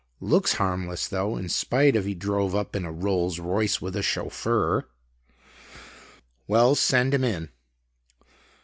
Looks harmless though, in spite of he drove up in a Rolls Royce with a chauffeur." "Well, send him in."